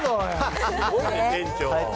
すごいね、店長。